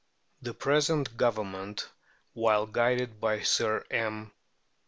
The present Government, while guided by Sir M.